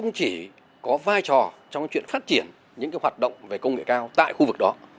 những hoạt động về công nghệ cao tại khu vực đó